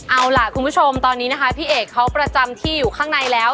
เอาล่ะคุณผู้ชมตอนนี้นะคะพี่เอกเขาประจำที่อยู่ข้างในแล้ว